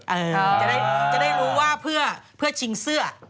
จะได้รู้ว่าเพื่อชิงเสื้อ